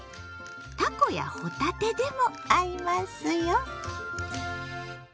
たこやほたてでも合いますよ。